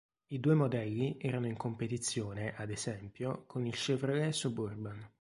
I due modelli erano in competizione, ad esempio, con il Chevrolet Suburban.